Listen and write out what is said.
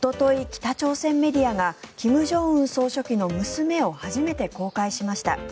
北朝鮮メディアが金正恩総書記の娘を初めて公開しました。